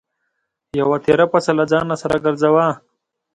یوه تېره پڅه له ځان سره ګرځوه.